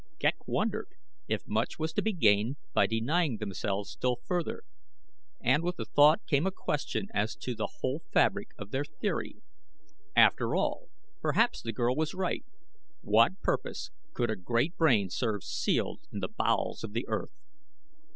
Ghek wondered if much was to be gained by denying themselves still further, and with the thought came a question as to the whole fabric of their theory. After all perhaps the girl was right; what purpose could a great brain serve sealed in the bowels of the earth?